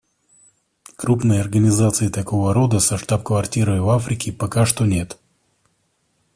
Крупной организации такого рода со штаб-квартирой в Африке пока что нет.